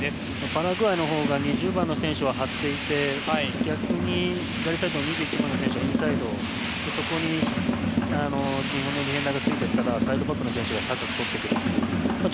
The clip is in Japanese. パラグアイのほうが２０番の選手、張っていて逆に左サイドの２１番の選手がインサイドで、そこについていったらサイドバックの選手が高く取ってくる。